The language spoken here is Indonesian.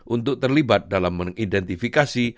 untuk terlibat dalam mengidentifikasi